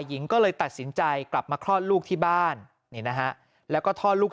หญิงก็เลยตัดสินใจกลับมาคลอดลูกที่บ้านนี่นะฮะแล้วก็คลอดลูก